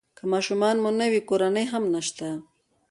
که ماشومان مو نه وي کورنۍ هم نشته.